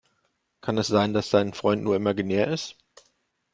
Kann es sein, dass dein Freund nur imaginär ist?